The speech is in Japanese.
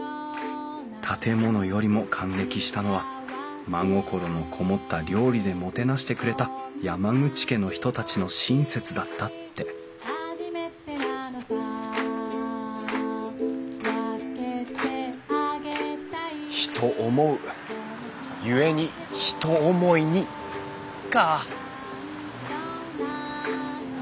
「建物よりも感激したのは真心のこもった料理でもてなしてくれた山口家の人たちの親切だった」って人思う故に“ひと”思いにか。